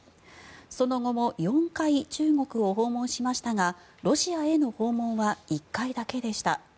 その後も４回中国を訪問しましたがロシアへの訪問は１回だけでした。